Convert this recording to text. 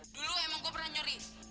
dulu emang gue pernah nyuri